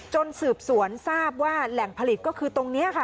สืบสวนทราบว่าแหล่งผลิตก็คือตรงนี้ค่ะ